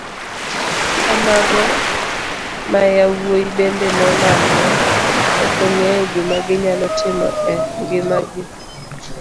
Ka mago mayawuoyi bende nolal ma okong'eyo gima ginyalo timo e ngima gi.